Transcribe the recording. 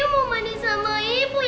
pencah sama ibu